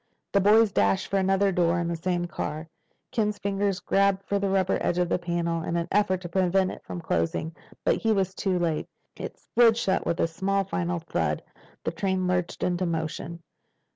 The boys dashed for another door in the same car. Ken's fingers grabbed for the rubber edge of the panel in an effort to prevent it from closing. But he was too late. It slid shut with a small final thud. The train lurched into motion.